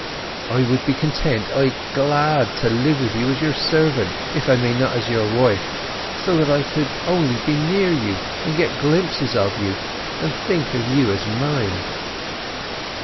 I would be content, ay, glad, to live with you as your servant, if I may not as your wife; so that I could only be near you, and get glimpses of you, and think of you as mine.